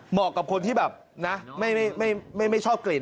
เหมาะกับคนที่ไม่ชอบกลิ่น